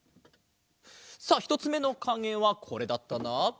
さあひとつめのかげはこれだったな。